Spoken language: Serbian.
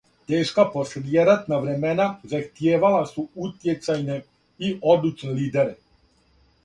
Тешка послијератна времена захтијевала су утјецајне и одлучне лидере.